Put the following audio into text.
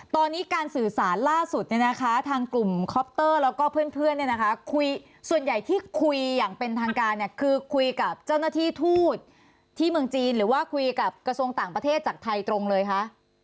ตอนนี้การสื่อสารล่าสุดเนี่ยนะคะทางกลุ่มคอปเตอร์แล้วก็เพื่อนเนี่ยนะคะคุยส่วนใหญ่ที่คุยอย่างเป็นทางการเนี่ยคือคุยกับเจ้าหน้าที่ทูตที่เมืองจีนหรือว่าคุยกับกระทรวงต่างประเทศจากไทยตรงเลยคะ